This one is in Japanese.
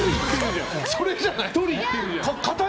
それじゃない？